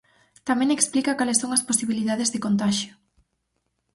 Tamén explica cales son as posibilidades de contaxio.